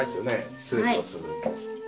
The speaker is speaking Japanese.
失礼します。